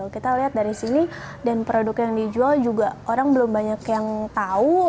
kita lihat dari sini dan produk yang dijual juga orang belum banyak yang tahu